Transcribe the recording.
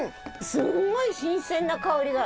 すごい新鮮な香りが。